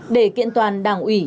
để kiện toàn đảng ủy